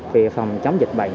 về phòng chống dịch bệnh